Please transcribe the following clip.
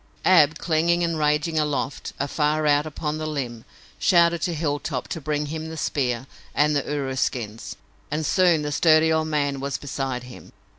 Ab, clinging and raging aloft, afar out upon the limb, shouted to Hilltop to bring him the spear and the urus skins, and soon the sturdy old man was beside him.